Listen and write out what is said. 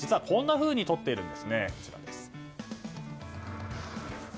こんなふうにとっているんですね。